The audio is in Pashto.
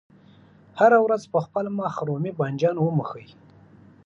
هره ورځ په خپل مخ رومي بانجان وموښئ.